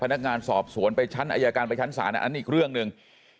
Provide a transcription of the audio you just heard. พนักงานสอบสวนไปชั้นอายการไปชั้นศาลอันนั้นอีกเรื่องหนึ่ง